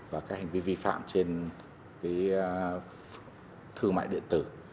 và các hành vi vi phạm trên thương mại điện tử